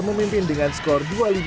memimpin dengan skor dua puluh lima sepuluh